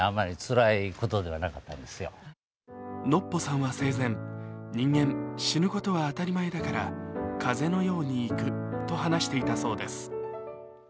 ノッポさんは生前、人間、死ぬことは当たり前だから風のように逝くと話していたそうです。